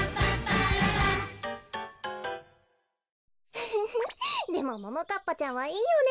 フフフでもももかっぱちゃんはいいよね。